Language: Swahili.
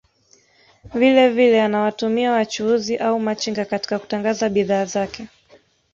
Vile vile anawatumia wachuuzi au machinga katika kutangaza bidhaa zake